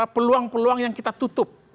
peluang peluang yang kita tutup